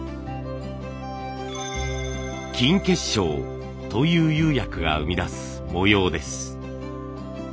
金結晶という釉薬が生み出す模様です。